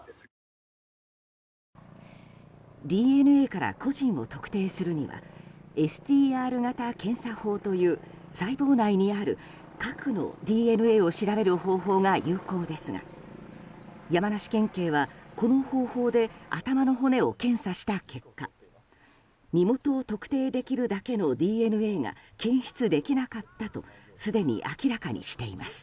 ＤＮＡから個人を特定するのはＳＴＲ型検査法という細胞内にある核のＤＮＡを調べる方法が有効ですが山梨県警は、この方法で頭の骨を検査した結果身元を特定できるだけのＤＮＡが検出できなかったとすでに明らかにしています。